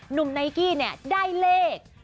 หนุ่มไนกี้เนี่ยได้เลข